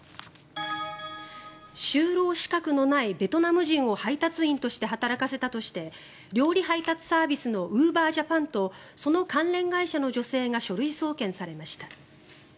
就労資格のないベトナム人を配達員として働かせたとして料理配達サービスのウーバージャパンとその関連会社の女性が書類送検されました。